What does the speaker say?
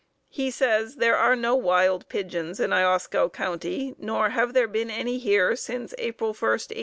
He says: "There are no wild pigeons in Iosco County; nor have there been any here since April 1, 1880.